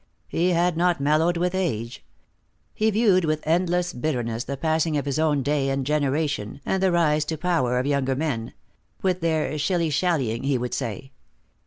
He had not mellowed with age. He viewed with endless bitterness the passing of his own day and generation, and the rise to power of younger men; with their "shilly shallying," he would say.